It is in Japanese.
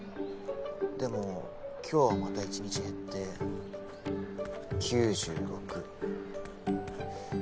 でも今日はまた１日減って「９６」。